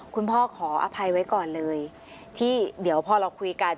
ขออภัยไว้ก่อนเลยที่เดี๋ยวพอเราคุยกัน